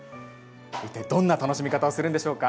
一体、どんな楽しみ方をするんでしょうか。